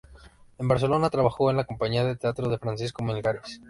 En Barcelona, trabajó en la compañía de teatro de Francisco Melgares.